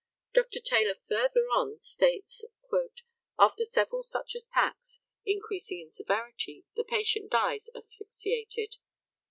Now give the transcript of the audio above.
Dr. Taylor further on states, "After several such attacks, increasing in severity, the patient dies asphyxiated."